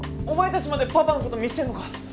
お前たちまでパパの事見捨てるのか？